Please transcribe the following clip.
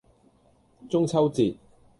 中秋節